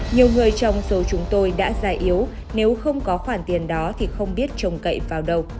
nhiều người trong số chúng tôi đã già yếu nếu không có khoản tiền đó thì không biết trồng cậy vào đâu